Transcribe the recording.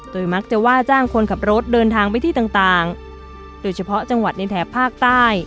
มักจะว่าจ้างคนขับรถเดินทางไปที่ต่างโดยเฉพาะจังหวัดในแถบภาคใต้